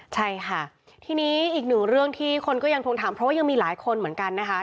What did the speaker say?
ใช่ค่ะทีนี้อีกหนึ่งเรื่องที่คนก็ยังทวงถามเพราะว่ายังมีหลายคนเหมือนกันนะคะ